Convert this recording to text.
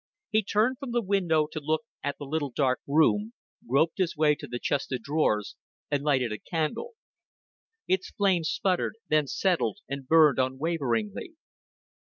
He turned from the window to look at the dark little room, groped his way to the chest of drawers, and lighted a candle. Its flame sputtered, then settled and burned unwaveringly.